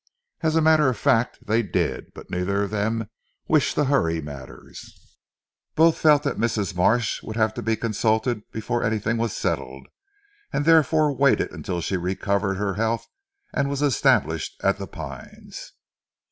As a matter of fact they did; but neither of them wished to hurry matters. Both felt that Mrs. Marsh would have to be consulted before anything was settled, and therefore waited until she recovered her health and was established at "The Pines."